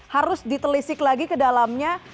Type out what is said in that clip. harus ditelisik lagi ke dalamnya